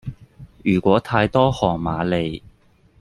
如果太多韓瑪利